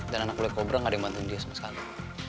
dan anak loe kobra gak ada yang bantuin dia sama sekali